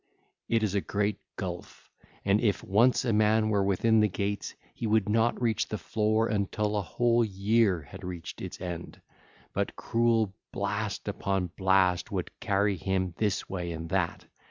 It is a great gulf, and if once a man were within the gates, he would not reach the floor until a whole year had reached its end, but cruel blast upon blast would carry him this way and that.